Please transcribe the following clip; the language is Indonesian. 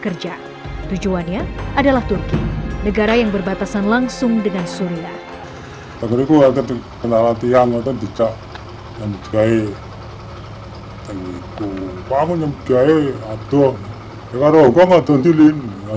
kerja tujuannya adalah turki negara yang berbatasan langsung dengan suria